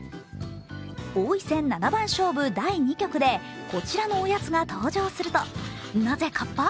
王位戦七番勝負第２局でこちらのおやつが登場すると、なぜかっぱ？